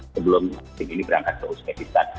sebelum tim ini berangkat ke uzbekistan